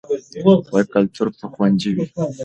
کلتور به خوندي وي.